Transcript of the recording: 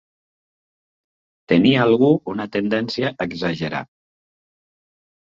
Tenir algú una tendència a exagerar.